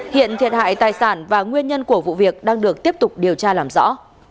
hiện thiệt hại tài sản và nguyên nhân của vụ việc đang được tiếp tục điều tra làm rõ